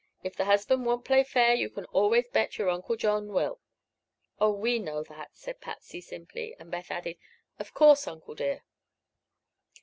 If the husband won't play fair, you can always bet your Uncle John will." "Oh, we know, that," said Patsy, simply; and Beth added: "Of course, Uncle, dear."